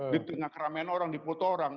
di tengah keramaian orang dipoto orang